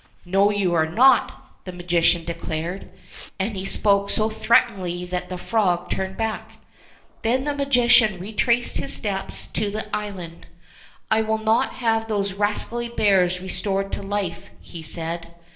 "No, you are not," the magician declared, and he spoke so threateningly that the frog turned back. Then the magician retraced his steps to the island. "I will not have those rascally bears restored to life," he said.